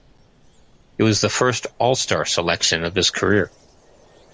It was the first All-Star selection of his career.